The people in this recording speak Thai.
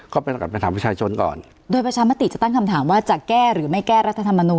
ก็ไปกลับไปถามประชาชนก่อนโดยประชามติจะตั้งคำถามว่าจะแก้หรือไม่แก้รัฐธรรมนูล